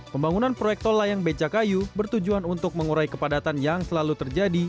pembangunan proyek tol layang becakayu bertujuan untuk mengurai kepadatan yang selalu terjadi